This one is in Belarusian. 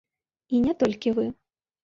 І не толькі вы.